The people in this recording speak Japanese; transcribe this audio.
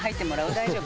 大丈夫？